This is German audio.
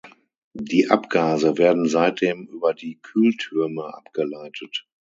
Die Abgase werden seitdem über die Kühltürme abgeleitet.